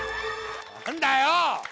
何だよ？